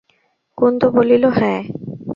কুন্দ বলিল, হ্যাঁ।